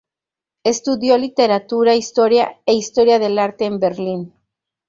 Estudió Literatura, Historia e Historia del arte en Berlín.